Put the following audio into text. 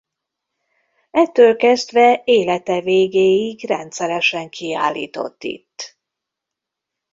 Ettől kezdve élete végéig rendszeresen kiállított itt.